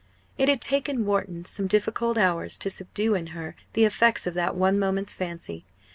It had taken Wharton some difficult hours to subdue in her the effects of that one moment's fancy.